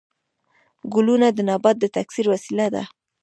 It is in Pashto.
ګلونه د نبات د تکثیر وسیله ده